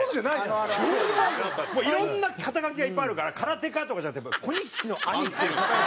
もういろんな肩書がいっぱいあるから空手家とかじゃなくて「小錦の兄」っていう肩書を。